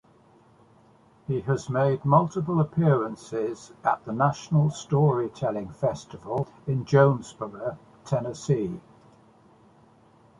He has made multiple appearances at the National Storytelling Festival in Jonesboro, Tennessee.